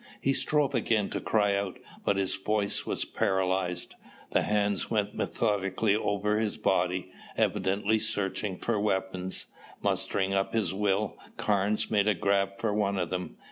He strove again to cry out, but his voice was paralyzed. The hands went methodically over his body, evidently searching for weapons. Mustering up his will, Carnes made a grab for one of them.